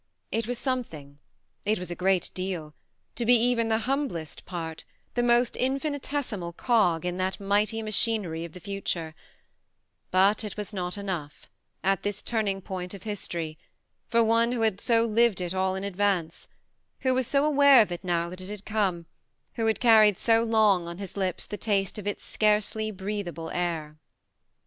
It was something it was a great deal to be even the humblest part, the most infinitesimal cog, in that mighty machinery of the future; but it was not enough, at this turning point of history, for one who had so lived it all in advance, who was so aware of it now that it had come, who had carried so long on his lips the taste of its scarcely breathable air.